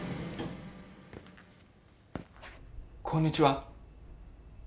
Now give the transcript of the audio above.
こんにちは。